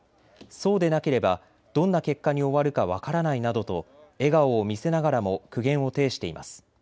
そうでなければどんな結果に終わるか分からないなどと笑顔を見せながらも苦言を呈しています。